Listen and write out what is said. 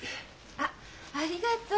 あっありがとう！